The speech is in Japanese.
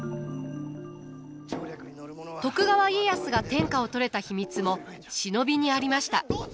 徳川家康が天下を取れた秘密も忍びにありました。